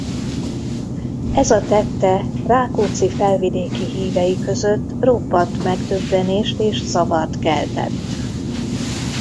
Ez a tette Rákóczi felvidéki hívei között roppant megdöbbenést és zavart keltett.